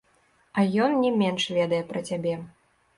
А ён не менш ведае пра цябе.